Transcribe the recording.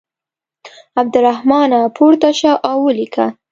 عبدالرحمانه پورته شه او ولیکه.